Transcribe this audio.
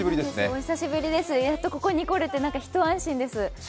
お久しぶりです、やっとここに来れて一安心です。